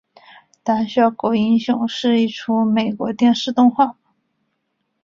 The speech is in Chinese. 胆小狗英雄是一出美国电视动画。